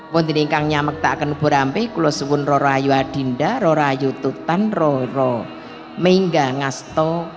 puntingkan nyamuk tak akan berambil kulusun roryo adinda roryo tutan roro menggangas to